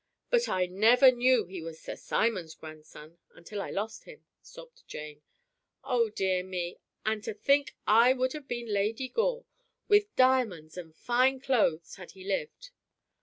But I never knew he was Sir Simon's grandson until I lost him," sobbed Jane. "Oh, dear me, and to think I would have been Lady Gore, with diamonds and fine clothes, had he lived."